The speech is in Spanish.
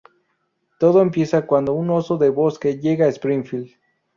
Todo empieza cuando un oso de bosque llega a Springfield.